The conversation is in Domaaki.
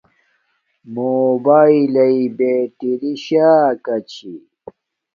موباݵل لݵے بیٹری شاکا چھیݵ